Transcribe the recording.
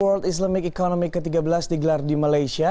world islamic economy ke tiga belas digelar di malaysia